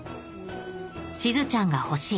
しずちゃんが欲しい